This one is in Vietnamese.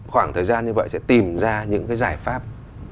khoảng thời gian như vậy sẽ tìm ra những cái giải pháp